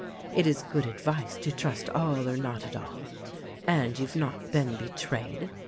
It is good advice to 'Trust all or not at all.' And you've not been betrayed.